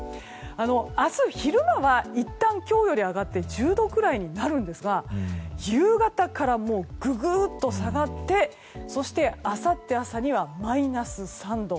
明日、昼間は今日よりいったん上がって１０度くらいになるんですが夕方から、もうググっと下がってそして、あさって朝にはマイナス３度。